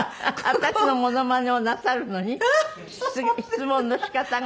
私のモノマネをなさるのに質問の仕方が？